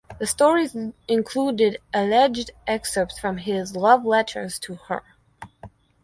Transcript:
The stories included alleged excerpts from his love letters to her.